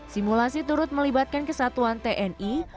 simulasi turut melibatkan kesatuan terhadap penanganan kesehatan